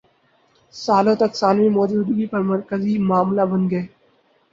سالوں تک ثانوی موجودگی پر مرکزی معاملہ بن گئے